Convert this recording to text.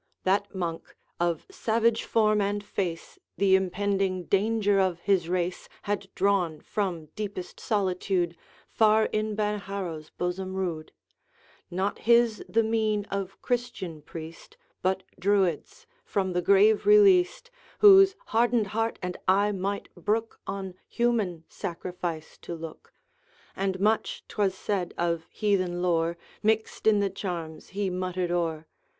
That monk, of savage form and face The impending danger of his race Had drawn from deepest solitude Far in Benharrow's bosom rude. Not his the mien of Christian priest, But Druid's, from the grave released Whose hardened heart and eye might brook On human sacrifice to look; And much, 't was said, of heathen lore Mixed in the charms he muttered o'er.